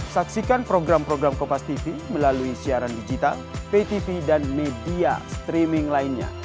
saksikan program program kompastv melalui siaran digital ptv dan media streaming lainnya